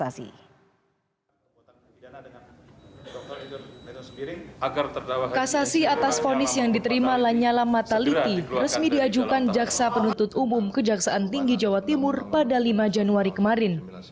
kasasi atas fonis yang diterima lanyala mataliti resmi diajukan jaksa penuntut umum kejaksaan tinggi jawa timur pada lima januari kemarin